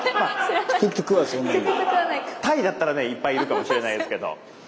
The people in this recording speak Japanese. タイだったらねいっぱいいるかもしれないですけど。